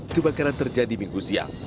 kebakaran terjadi minggu siang